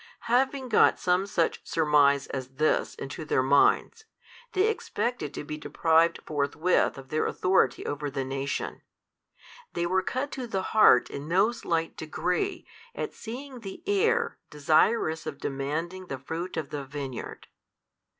Having got some such surmise as this into their minds, they expected to be deprived forthwith of their authority over the nation: they were cut to the heart in no slight degree at seeing the Heir desirous of demanding the fruit of the vineyard.